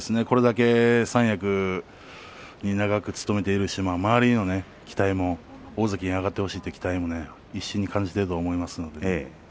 これだけ三役を長く務めていますし周りの大関へ上がってほしいという期待を一身に感じていると思います。